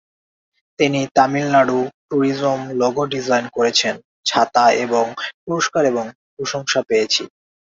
তিনি Tamil Nadu tourism logo design করেছেন ছাতা এবং পুরস্কার এবং প্রশংসা পেয়েছি।